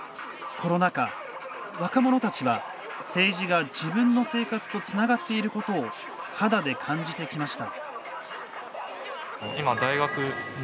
コロナ禍、若者たちは政治が自分の生活とつながっていることを肌で感じてきました。